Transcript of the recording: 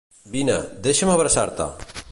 Vine, deixa'm abraçar-te!